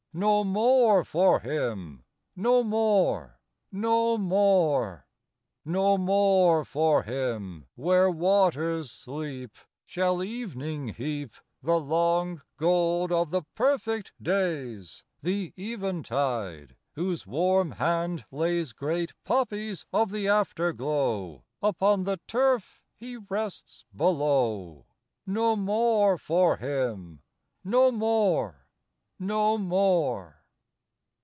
No more for him! No more! no more! II No more for him, where waters sleep, Shall Evening heap The long gold of the perfect days! The Eventide, whose warm hand lays Great poppies of the afterglow Upon the turf he rests below. No more for him! No more! no more!